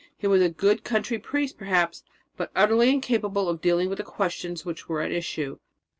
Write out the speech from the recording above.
He was a "good country priest," perhaps; but utterly incapable of dealing with the questions which were at issue.